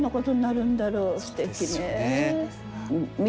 すてきね。